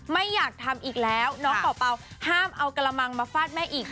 ไม่อยากทำอีกแล้วน้องเป่าห้ามเอากระมังมาฟาดแม่อีก